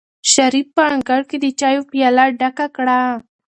شریف په انګړ کې د چایو پیاله ډکه کړه.